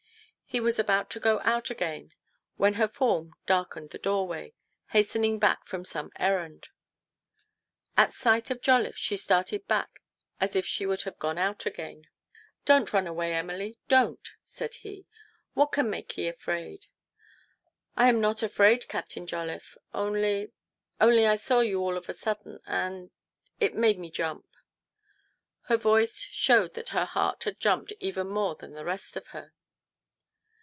He was about to go out again, when her form darkened the doorway, hastening back from some errand. At sight of Jolliffe she started back as if she would have gone out again. i io TO PLEASE HIS WIFE. "Don't run away, Emily; don't!" said he. " What can make ye afraid ?"" I'm not afraid, Captain Jolliffe. Only only I saw you all of a sudden, and it made me jump." Her voice showed that her heart had jumped even more than the rest of her.